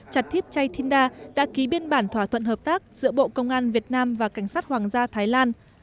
chặt thiếp chay thinda đã ký biên bản thỏa thuận hợp tác giữa bộ công an việt nam và cảnh sát hoàng gia thái lan